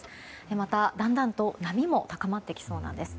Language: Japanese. また、だんだんと波も高まってきそうなんです。